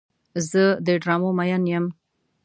زه د ډرامو مین یم.